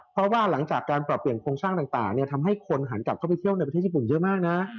เพราะว่าหลังจากการปรับเปลี่ยนโครงสร้างต่างทำให้คนหันกลับเข้าไปเที่ยวในประเทศญี่ปุ่นเยอะมากนะ